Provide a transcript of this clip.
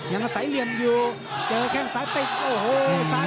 อย่างมัศัยเหลี่ยมอยู่เจอแข่งซ้ายเตะโอ้โห